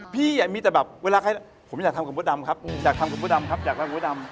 พี่มีแต่แบบเวลาใครผมอยากทำกับมดดำครับอยากทำกับมดดำครับอยากทำมดดำ